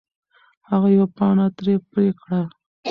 هغه یوه پاڼه ترې پرې کړه.